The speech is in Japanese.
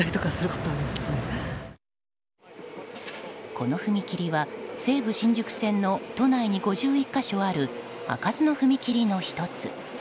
この踏切は、西武新宿線の都内に５１か所ある開かずの踏切の１つ。